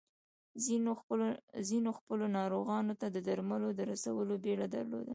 ځينو خپلو ناروغانو ته د درملو د رسولو بيړه درلوده.